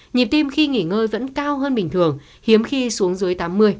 nhịp tim khi nghỉ ngơi vẫn cao hơn bình thường hiếm khi xuống dưới tám mươi